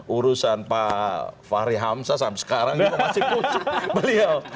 urusan pak fahri hamsa sampai sekarang masih pusing beliau